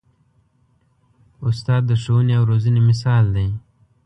استاد د ښوونې او روزنې مثال دی.